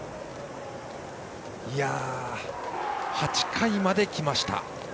８回まできました。